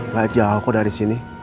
gak jauh aku dari sini